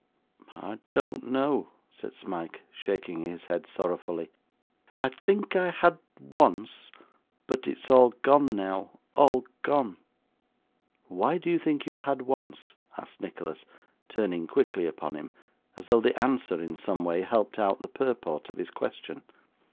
'I don't know,' said Smike, shaking his head sorrowfully. 'I think I had once; but it's all gone now all gone.' 'Why do you think you had once?' asked Nicholas, turning quickly upon him as though the answer in some way helped out the purport of his question.